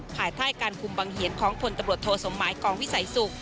ภายใต้การคุมบังเหียนของพลตำรวจโทสมหมายกองวิสัยสุข